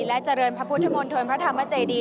และเจริญพระพุทธมนตรพระธรรมเจดี